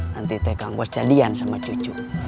nanti tegang bos jadian sama cucu